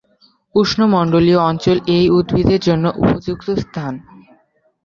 উষ্ণমণ্ডলীয় অঞ্চল এই উদ্ভিদের জন্য উপযুক্ত স্থান।